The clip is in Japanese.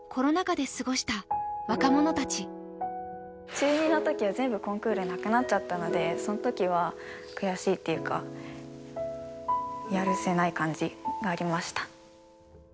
中２のときは全部コンクールなくなっちゃったのでそのときは悔しいというか、やるせない感じがありました。